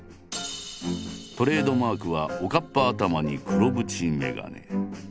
トレードマークはおかっぱ頭に黒縁眼鏡。